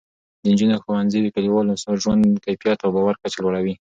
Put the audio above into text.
د نجونو ښوونځی د کلیوالو ژوند کیفیت او د باور کچه لوړوي.